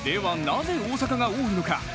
なぜ大阪が多いのか。